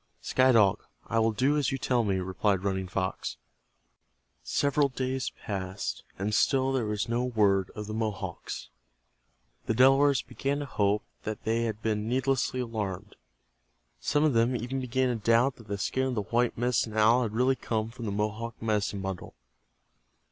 "Sky Dog, I will do as you tell me," replied Running Fox. Several days passed and still there was no word of the Mohawks. The Delawares began to hope that they had been needlessly alarmed. Some of them even began to doubt that the skin of the white Medicine Owl had really come from the Mohawk medicine bundle.